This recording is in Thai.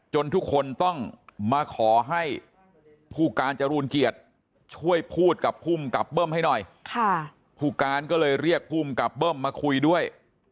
ทุกคนต้องมาขอให้ผู้การจรูนเกียรติช่วยพูดกับภูมิกับเบิ้มให้หน่อยผู้การก็เลยเรียกภูมิกับเบิ้มมาคุยด้วย